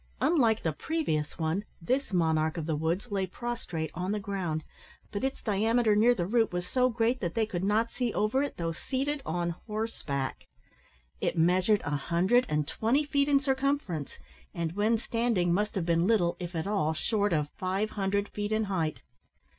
Unlike the previous one, this monarch of the woods lay prostrate on the ground, but its diameter near the root was so great that they could not see over it though seated on horseback. It measured a hundred and twenty feet in circumference, and, when standing, must have been little, if at all, short of five hundred feet in height.